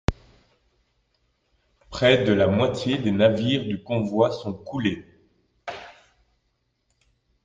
Près de la moitié des navires du convoi sont coulés.